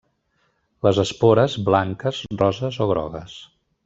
Les espores blanques, roses o grogues.